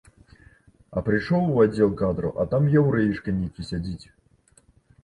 А прыйшоў у аддзел кадраў, а там яўрэішка нейкі сядзіць!